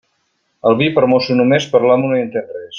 El vi, per mosso només; per l'amo, no hi entén res.